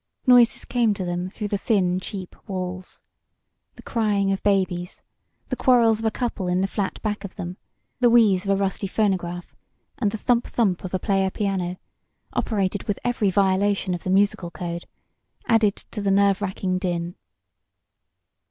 Noises came to them through the thin, cheap walls. The crying of babies, the quarrels of a couple in the flat back of them, the wheeze of a rusty phonograph, and the thump thump of a playerpiano, operated with every violation of the musical code, added to the nerve racking din.